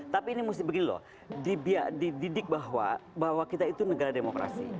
tapi ini mesti begini loh dididik bahwa kita itu negara demokrasi